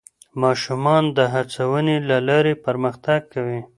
ماشومان د هڅونې له لارې پرمختګ کوي